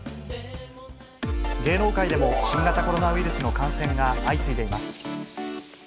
芸能界でも新型コロナウイルスの感染が相次いでいます。